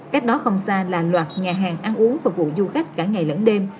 cách đó không xa là loạt nhà hàng ăn uống phục vụ du khách cả ngày lẫn đêm